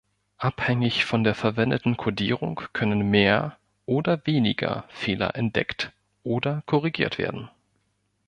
Abhängig von der verwendeten Kodierung können mehr oder weniger Fehler entdeckt oder korrigiert werden.